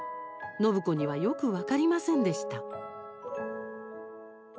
暢子にはよく分かりませんでした。